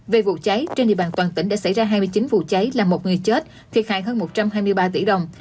về vụ cháy trên địa bàn toàn tỉnh đã xảy ra hai mươi chín vụ cháy làm một người chết thiệt hại hơn một trăm hai mươi ba tỷ đồng